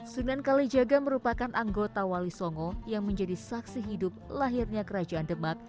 sunan kalijaga merupakan anggota wali songo yang menjadi saksi hidup lahirnya kerajaan demak